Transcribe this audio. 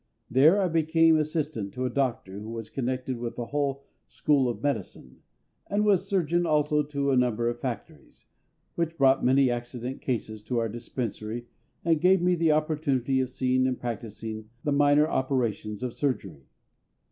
There I became assistant to a doctor who was connected with the Hull school of medicine, and was surgeon also to a number of factories, which brought many accident cases to our dispensary, and gave me the opportunity of seeing and practising the minor operations of surgery.